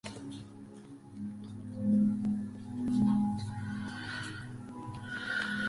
En París han contribuido notablemente en el despliegue del mundo del arte contemporáneo.